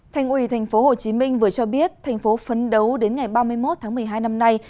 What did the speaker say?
thành ủy tp hcm vừa cho biết thành phố phấn đấu đến ngày ba mươi một tháng một mươi hai năm nay